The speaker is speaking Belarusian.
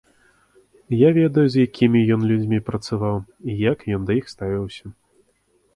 Я ведаю з якімі ён людзьмі працаваў і як ён да іх ставіўся.